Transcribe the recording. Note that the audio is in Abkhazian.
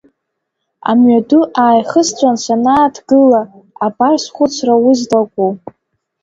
Амҩаду ааихысҵәан санааҭгыла, абар схәыцра уи злаку.